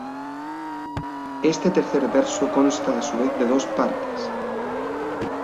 Este tercer verso consta a su vez de dos partes.